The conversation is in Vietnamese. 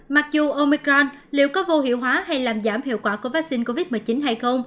mặc dù omicron liệu có vô hiệu hóa hay làm giảm hiệu quả của vaccine covid một mươi chín hay không